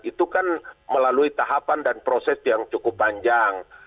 itu kan melalui tahapan dan proses yang cukup panjang